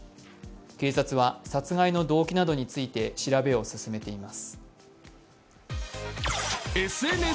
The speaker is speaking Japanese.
警察は殺害の動機などについて調べを進めています。